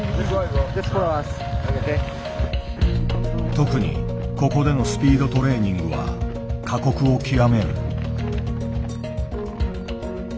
特にここでのスピードトレーニングは過酷を極める。